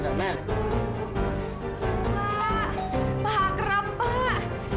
pak keram pak